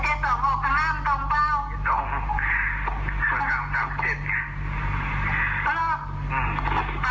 เป่ายดีนี่มาดูกันอยู่ในหัวเรา๊คตายเนี้ย